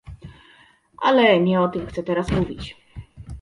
Ale nie o tym chcę teraz mówić